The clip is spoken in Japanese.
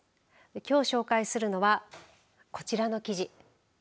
きょう紹介するのはこちらの記事。